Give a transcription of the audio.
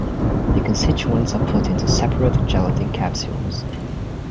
The constituents are put into separate gelatin capsules.